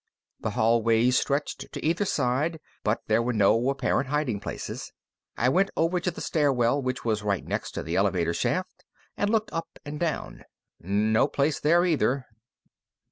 The hallways stretched to either side, but there were no apparent hiding places. I went over to the stairwell, which was right next to the elevator shaft and looked up and down. No place there, either.